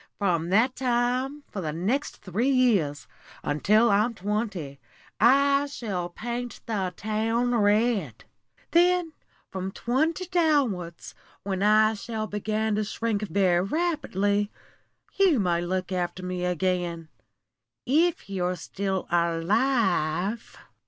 From that time, for the next three years, until I'm twenty, I shall paint the town red. Then, from twenty downwards, when I shall begin to shrink very rapidly, you may look after me again, if you're still alive."